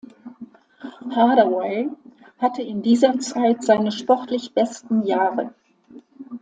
Hardaway hatte in dieser Zeit seine sportlich besten Jahre.